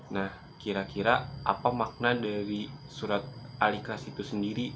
nah kira kira apa makna dari surat al ikhlas itu sendiri